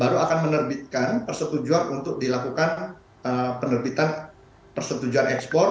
baru akan menerbitkan persetujuan untuk dilakukan penerbitan persetujuan ekspor